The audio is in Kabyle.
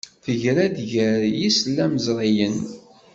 Tegra-d gar yislamẓriyen.